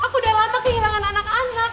aku udah lama kehilangan anak anak